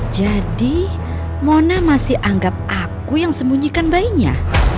jadi mona masih anggap aku yang sembunyikan bayinya